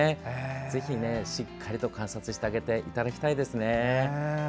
ぜひ、しっかりと観察してあげていただきたいですね。